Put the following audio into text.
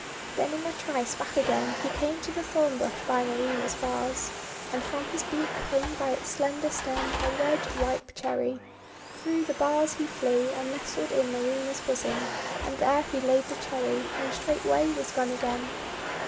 Then in a trice back again he came to the thorn bush by Marina's bars. And from his beak hung by its slender stem a red ripe Cherry. Through the bars he flew, and nestled in Marina's bosom, and there he laid the Cherry, and straightway was gone again.